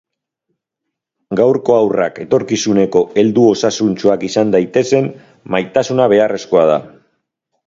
Gaurko haurrak etorkizuneko heldu osasuntsuak izan daitezen, maitasuna beharrezkoa da.